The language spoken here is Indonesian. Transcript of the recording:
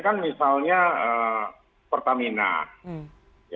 pertamina itu itu adalah pemerintah yang memiliki kemampuan dasar